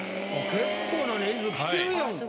結構な人数来てるやんか。